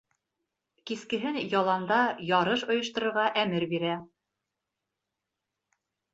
Кискеһен яланда ярыш ойошторорға әмер бирә.